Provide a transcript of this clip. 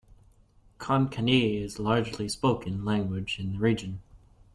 Konkani is largely spoken Language in the region.